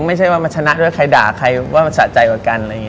ไม่ใช่ว่ามันชนะด้วยใครด่าใครว่ามันศะใจกว่ากัน